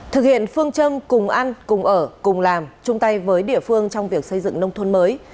thực hiện phương châm cùng ăn cùng ở cùng làm chung tay với địa phương trong việc xây dựng nông thôn mới